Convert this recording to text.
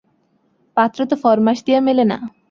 পাত্র তো ফর্মাশ দিয়া মেলে না।